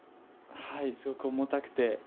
すごく重たくて。